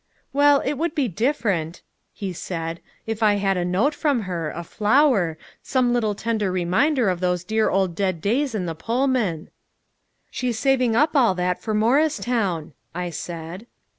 "Well, it would be different," he said, "if I had a note from her a flower some little tender reminder of those dear old dead days in the Pullman!" "She's saving up all that for Morristown," I said.